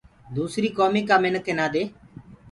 دوسريٚ ڪوميٚ ڪآ منِک اينآ دي